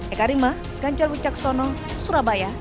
ekarima ganjar wicaksono surabaya